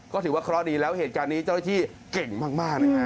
ก็ถือว่าเคราะห์ดีแล้วเหตุการณ์นี้เจ้าหน้าที่เก่งมากนะฮะ